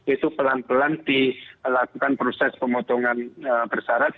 itu pelan pelan dilakukan proses pemotongan bersarat